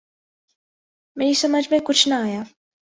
میری سمجھ میں کچھ نہ آیا۔